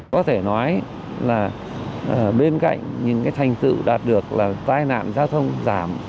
có thể nói là bên cạnh những cái thành tựu đạt được là tai nạn giao thông giảm